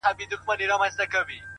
راوړي مزار ته خیام هر سړی خپل خپل حاجت,